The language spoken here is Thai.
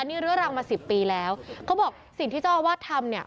นี่เรื้อรังมาสิบปีแล้วเขาบอกสิ่งที่เจ้าอาวาสทำเนี่ย